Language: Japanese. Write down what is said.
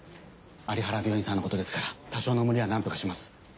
有原病院さんのことですから多少の無理はなんとかします。